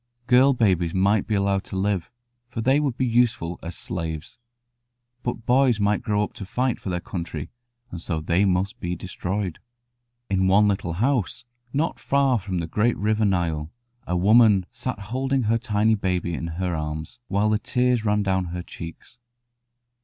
Girl babies might be allowed to live, for they would be useful as slaves, but boys might grow up to fight for their country, and so they must be destroyed. In one little house, not far from the great river Nile, a woman sat holding her tiny baby in her arms, while the tears ran down her cheeks.